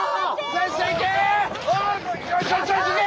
先生行け！